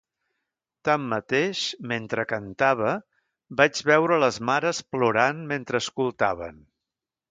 Tanmateix, mentre cantava, vaig veure les mares plorant mentre escoltaven.